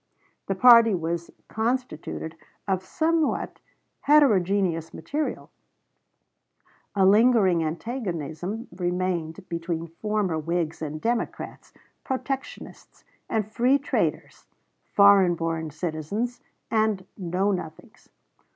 The party was constituted of somewhat heterogeneous material; a lingering antagonism remained between former Whigs and Democrats, protectionists and free traders, foreign born citizens and Know Nothings.